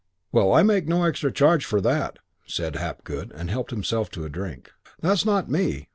'" IV "Well, I make no extra charge for that (said Hapgood, and helped himself to a drink). That's not me.